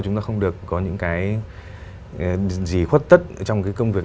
chúng ta không được có những cái gì khuất tất trong cái công việc